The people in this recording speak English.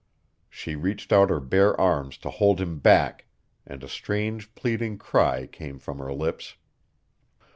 She reached out her bare arms to hold him back, and a strange pleading cry came from her lips.